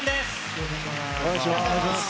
よろしくお願いします。